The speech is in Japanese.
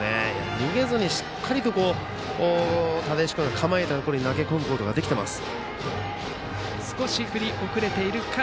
逃げずにしっかりと只石君が構えたところに投げ込むことができています。